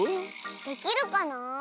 できるかな？